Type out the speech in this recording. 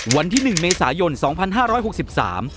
วันที่หนึ่งเมษายนสองพันห้าร้อยหกสิบสาม